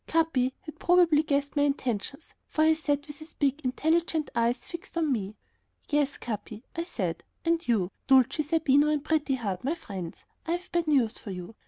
Capi had probably guessed my intentions, for he sat with his big, intelligent eyes fixed on me. "Yes, Capi," I said, "and you, Dulcie, Zerbino and Pretty Heart, my friends, I've bad news for you.